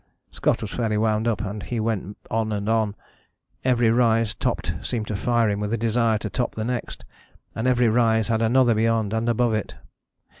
Scott was fairly wound up, and he went on and on. Every rise topped seemed to fire him with a desire to top the next, and every rise had another beyond and above it.